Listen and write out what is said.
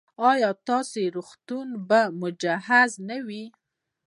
ایا ستاسو روغتون به مجهز نه وي؟